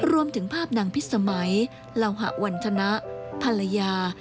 รวมถึงภาพนางพิสมัยเหล่าหะวันธนะภรรยา